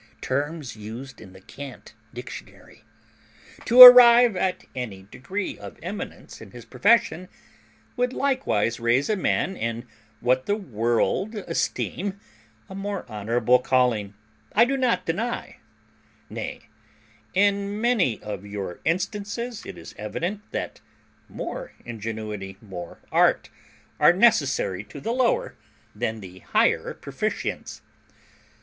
Terms used in the Cant Dictionary.] to arrive at any degree of eminence in his profession, would likewise raise a man in what the world esteem a more honourable calling, I do not deny; nay, in many of your instances it is evident that more ingenuity, more art, are necessary to the lower than the higher proficients.